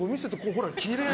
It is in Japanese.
ほら、きれい。